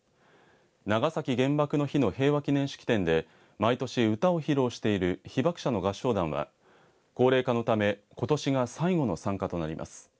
長崎原爆の日の平和祈念式典で毎年歌を披露している被爆者の合唱団は高齢化のためことしが最後の参加となります。